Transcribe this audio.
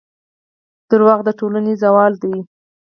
دروغ د ټولنې زوال دی.